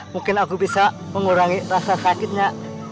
mungkin aku bisa mengurangi rasa sakitnya